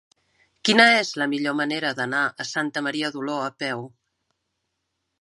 Quina és la millor manera d'anar a Santa Maria d'Oló a peu?